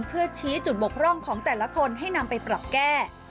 เพื่อชี้จุดบกพร่องของแต่ละคนให้นำไปปรับแก้